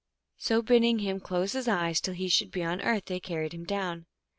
So bidding him close his eyes till he should be on earth, they carried him down.